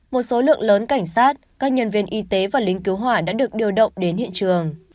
một số lượng lớn cảnh sát các nhân viên y tế và lính cứu hỏa đã được điều động đến hiện trường